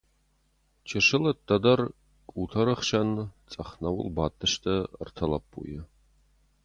Чысыл ӕддӕдӕр, къутӕрты ӕхсӕн цъӕх нӕууыл бадтысты ӕртӕ лӕппуйы.